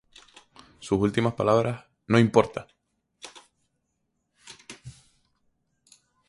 Sus últimas palabras, ""No importa.